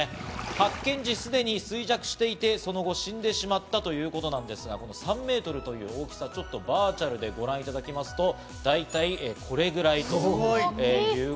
発見時、すでに衰弱していて、その後死んでしまったということなんですが、３メートルという大きさ、バーチャルでご覧いただきますと、すごい。大きい！